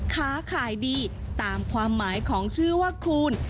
ค้าขายดีตามความหมายของชื่อว่าคูณ